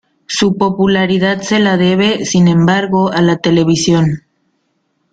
Su popularidad se la debe, sin embargo, a la televisión.